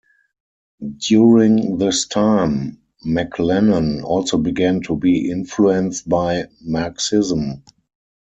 During this time, MacLennan also began to be influenced by Marxism.